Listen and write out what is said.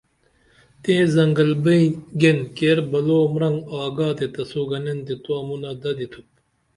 تئیں زنگل گین کیر بلو مرنگ آگا تے تسو گنین تے تو امونہ ددی تُھوپ